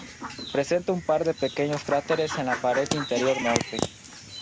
Presenta un par de pequeños cráteres en la pared interior norte.